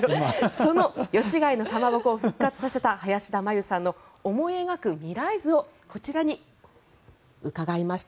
その吉開のかまぼこを復活させた林田茉優さんの思い描く未来図を伺いました。